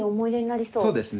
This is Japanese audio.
そうですよね。